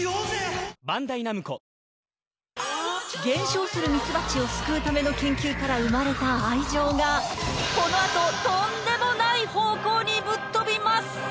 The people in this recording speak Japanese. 減少するミツバチを救うための研究から生まれた愛情がこのあととんでもない方向にぶっとびます！